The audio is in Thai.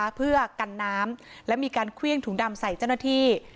เพื่อกันน้ำและมีการเครื่องถุงดำใส่เจ้าหน้าที่